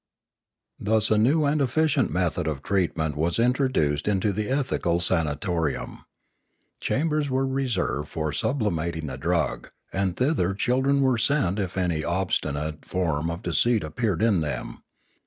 Thus a new and efficient method of treatment was introduced into the ethical sanatorium. Chambers were reserved for sublimating the drug, and thither children were sent if any obstinate form of deceit ap peared in them.